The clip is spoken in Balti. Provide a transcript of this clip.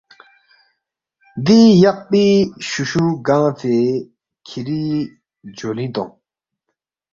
دی یقپی شُوشُو گنگ فے کِھری جولِنگ تونگ